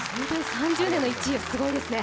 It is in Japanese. ３０年の１位はすごいですね。